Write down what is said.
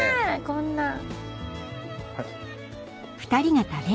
こんなん。